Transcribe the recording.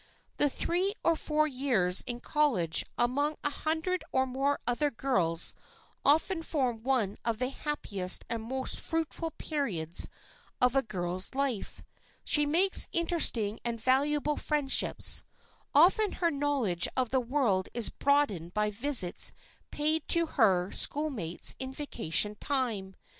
The three or four years in college among a hundred or more other girls often form one of the happiest and most fruitful periods of a girl's life. She makes interesting and valuable friendships. Often her knowledge of the world is broadened by visits paid to her schoolmates in vacation time.